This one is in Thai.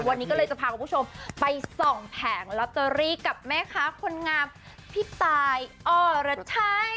วันนี้ก็เลยจะพาคุณผู้ชมไปส่องแผงลอตเตอรี่กับแม่ค้าคนงามพี่ตายอรชัย